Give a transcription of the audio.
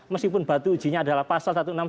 meskipun batu ujinya adalah pasal satu ratus enam puluh